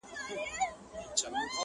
یو څه ستا فضل یو څه به دوی وي!!